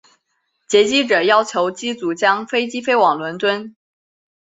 劫机者要求机组将飞机飞往伦敦。